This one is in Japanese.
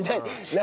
何？